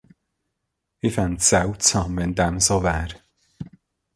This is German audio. Ich fände es seltsam, wenn dem so wäre.